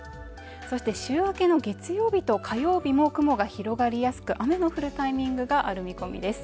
そして週明けの月曜日と火曜日も雲が広がりやすく雨の降るタイミングがある見込みです